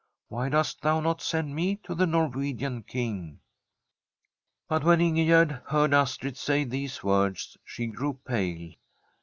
Why dost thou not send me to the Norwegian King ?"' But when Ingegerd heard Astrid say these words, she grew pale.